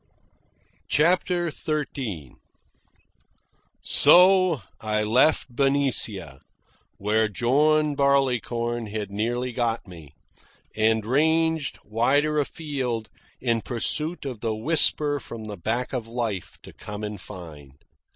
CHAPTER XIII So I left Benicia, where John Barleycorn had nearly got me, and ranged wider afield in pursuit of the whisper from the back of life to come and find.